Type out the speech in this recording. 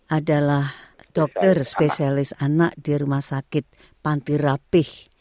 adalah dokter spesialis anak di rumah sakit pantirapih